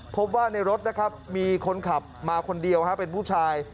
พบว่าในรถนะครับมีคนขับมาคนเดียวเป็นผู้ชาย